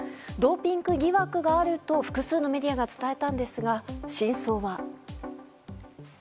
ドーピング疑惑があると複数のメディアが伝えたんですが真相は。